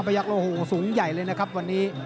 ยักษ์โอ้โหสูงใหญ่เลยนะครับวันนี้